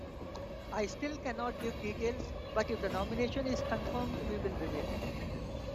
I still cannot give details, but, if the nomination is confirmed, we will reveal.